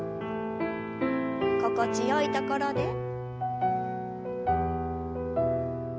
心地よいところで。